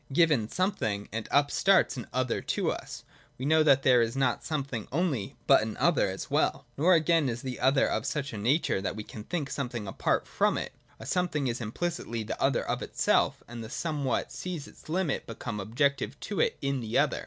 Given something, and up starts an other to us : we know that there is not something only, but an other as well. Nor, again, is the other of such a nature that we can think something apart from it ; a something is implicitly the other of itself, and the somewhat sees its limit become objective to it in the other.